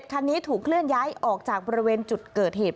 คันนี้ถูกเคลื่อนย้ายออกจากบริเวณจุดเกิดเหตุ